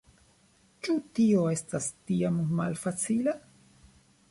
Ĉu tio estas tiom malfacila?